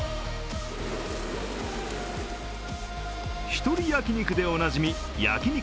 一人焼き肉でおなじみ焼肉